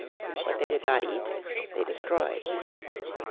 What they did not eat they destroyed.